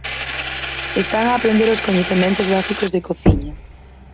Están a aprender os coñecementos básicos de cociña.